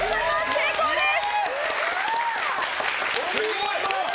成功です！